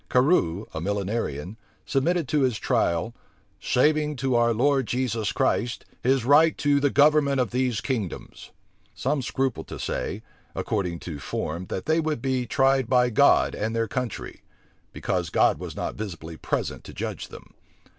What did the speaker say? Carew, a Millenarian, submitted to his trial, "saving to our Lord Jesus Christ his right to the government of these kingdoms." Some scrupled to say, according to form, that they would be tried by God and their country; because God was not visibly present to judge them.